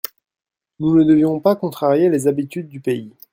Nous ne devions pas contrarier les habitudes du pays.